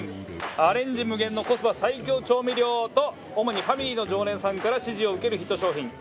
アレンジ無限のコスパ最強調味料と主にファミリーの常連さんから支持を受けるヒット商品。